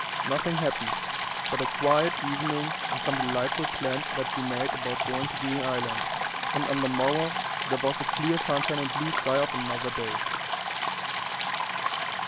Nothing happened but a quiet evening and some delightful plans that we made about going to Green Island, and on the morrow there was the clear sunshine and blue sky of another day.